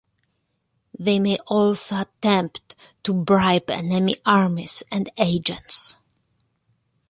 They may also attempt to bribe enemy armies and agents.